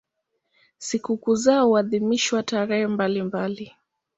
Sikukuu zao huadhimishwa tarehe mbalimbali.